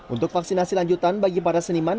untuk vaksinasi lanjutan bagi para seniman